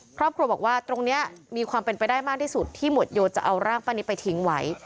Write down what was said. ครอบครัวบอกว่าตรงนี้มีความเป็นไปได้มากที่สุดที่หมวดโยจะเอาร่างป้านิตไปทิ้งไว้